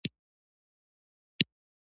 داسې معلومېدل رومیانو دلته ډېر کار کړی.